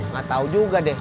gatau juga deh